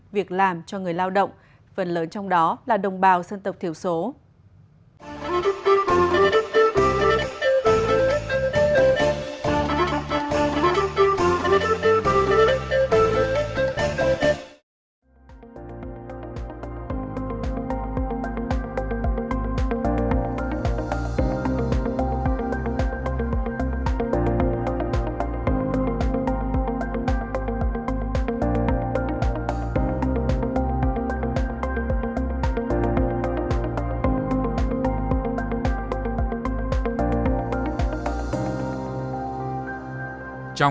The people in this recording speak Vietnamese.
việc làm cho người lao động phần lớn trong đó là đồng bào dân tộc thiểu số